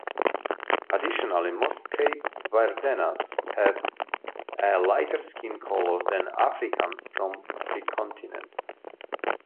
Additionally, most Cape Verdeans have a lighter skin color than Africans from the continent.